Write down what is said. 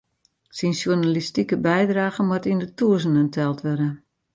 Syn sjoernalistike bydragen moat yn de tûzenen teld wurde.